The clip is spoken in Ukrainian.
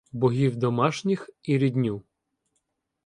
Богів домашніх і рідню.